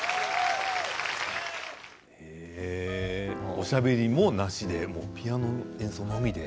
おしゃべりもなしでピアノの演奏のみで？